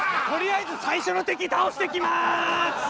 とりあえず最初の敵倒してきます！